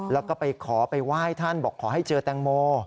แล้วก็ไปขอไปไหว้ท่านบอกขอให้เจอแตงโม